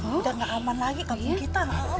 udah gak aman lagi kampung kita